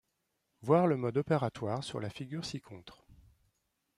Voir le mode opératoire sur la figure ci-contre.